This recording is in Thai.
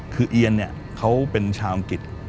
คือเอียนเนี่ยเขาเป็นชาวอังกฤษ